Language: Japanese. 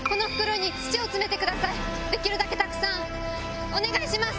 できるだけたくさんお願いします！